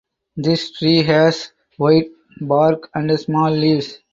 This tree has white bark and small leaves.